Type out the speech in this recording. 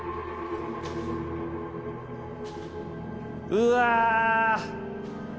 うわ！